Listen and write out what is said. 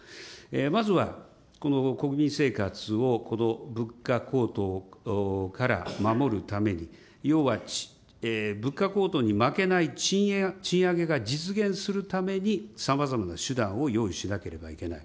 まずはこの国民生活を物価高騰から守るために、要は物価高騰に負けない賃上げが実現するためにさまざまな手段を用意しなければいけない。